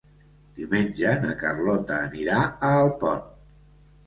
Diumenge na Carlota anirà a Alpont.